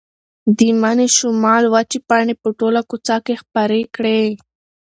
د مني شمال وچې پاڼې په ټوله کوڅه کې خپرې کړې وې.